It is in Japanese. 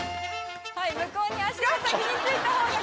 向こうに足を先についた方が勝ち。